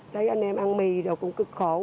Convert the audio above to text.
thấy anh em ăn mì rồi cũng cực khổ